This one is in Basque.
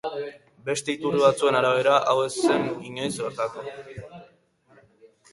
Beste iturri batzuen arabera hau ez zen inoiz gertatu.